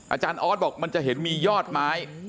อาจารย์ออสบอกมันจะเห็นมียอดไม้